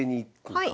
はい。